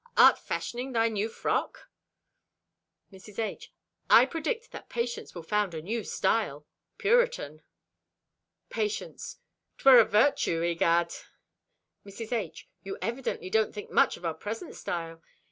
_—"Art fashioning thy new frock?" Mrs. H.—"I predict that Patience will found a new style—Puritan." Patience.—"'Twere a virtue, egad!" Mrs. H.—"You evidently don't think much of our present style.